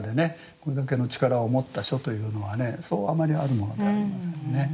これだけの力を持った書というのはねそうあまりあるものではありませんね。